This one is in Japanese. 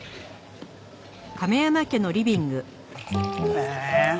へえ。